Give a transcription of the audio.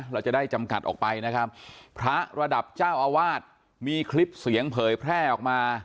เราจะได้จำกัดออกไปนะครับพระระดับเจ้าอาวาสมีคลิปเสียงเผยแพร่ออกมา